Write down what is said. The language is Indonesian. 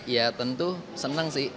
ya tentu senang sih